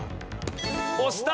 押した！